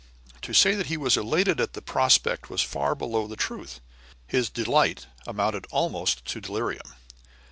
To say that he was elated at the prospect was far below the truth; his delight amounted almost to delirium.